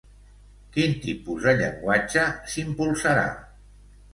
Quin tipus de llenguatge s'impulsarà?